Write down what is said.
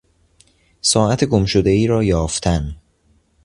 ساعت گمشدهای را یافتن